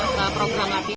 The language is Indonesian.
maka program latihan